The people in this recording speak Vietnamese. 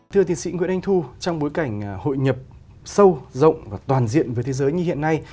thưa tiến sĩ nguyễn anh thu trong bối cảnh hội nhập sâu rộng và toàn diện với thế giới như hiện nay